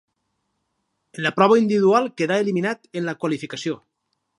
En la prova individual quedà eliminat en la qualificació.